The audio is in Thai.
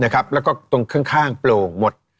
แล้วก็ตรงข้างโปร่งหมด